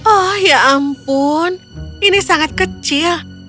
oh ya ampun ini sangat kecil